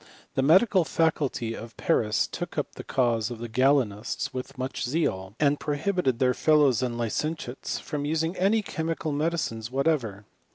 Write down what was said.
The medical faculty of Paris took up the cause of the Galenists with much zeal, and prohibited their fellows and licentiates from using any chemical medicines what ever.